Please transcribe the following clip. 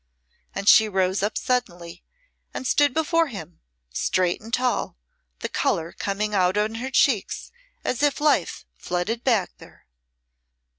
And she rose up suddenly and stood before him, straight and tall, the colour coming out on her cheeks as if life flooded back there.